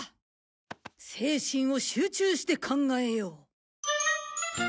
精神を集中して考えよう。